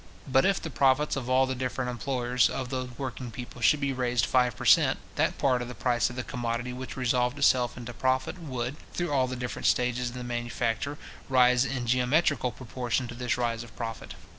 But if the profits of all the different employers of those working people should be raised five per cent. that part of the price of the commodity which resolved itself into profit would, through all the different stages of the manufacture, rise in geometrical proportion to this rise of profit.